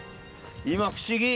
今不思議。